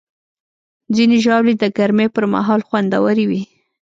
ځینې ژاولې د ګرمۍ پر مهال خوندورې وي.